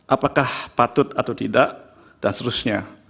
apakah patut atau tidak dan seterusnya